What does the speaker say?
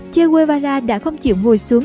che guevara đã không chịu ngồi xuống